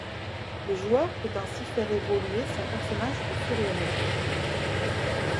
Le joueur peut ainsi faire évoluer son personnage au fur et à mesure.